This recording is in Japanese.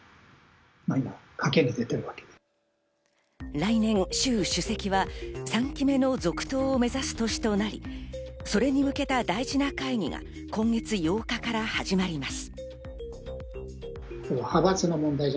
来年、シュウ主席は３期目の続投を目指す年となり、それに向けた大事な会議が今月８日から始まります。